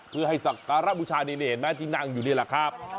คือให้สัตว์รัฐบุชาณีนี่เห็นไหมที่นั่งอยู่นี่แหละครับ